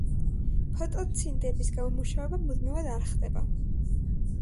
ფიტონციდების გამომუშავება მუდმივად არ ხდება.